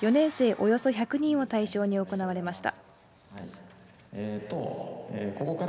およそ１００人を対象に行われました。